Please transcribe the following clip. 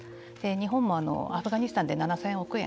日本もアフガニスタンで７０００億円